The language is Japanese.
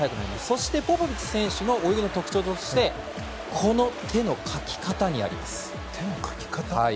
そしてポポビッチ選手の泳ぎの特徴としてこの手のかき方にあります。